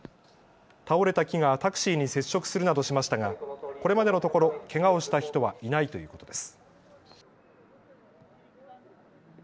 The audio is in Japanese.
倒れた木がタクシーに接触するなどしましたがこれまでのところけがをした人はいないということです。